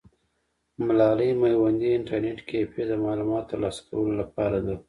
ملالۍ میوندي انټرنیټ کیفې د معلوماتو ترلاسه کولو لپاره ده.